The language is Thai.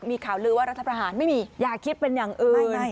มีข่าวลือว่ารัฐประหารไม่มีอย่าคิดเป็นอย่างอื่น